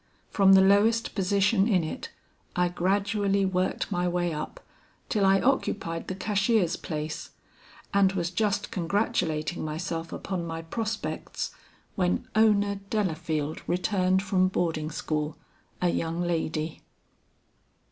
From the lowest position in it, I gradually worked my way up till I occupied the cashier's place; and was just congratulating myself upon my prospects, when Ona Delafield returned from boarding school, a young lady.